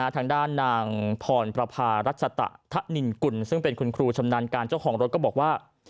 ทางด้านนางพรประพารัชตะทะนินกุลซึ่งเป็นคุณครูชำนาญการเจ้าของรถก็บอกว่า